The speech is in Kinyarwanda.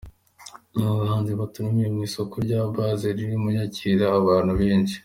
Aba bahanzi bataramiye mu isoko rya Base riri mu yakira abantu benshi.